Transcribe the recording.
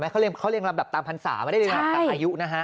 เขาเรียงลำดับตามพรรษาไม่ได้เรียงลำตามอายุนะฮะ